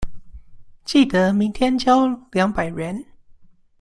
記得明天交兩百元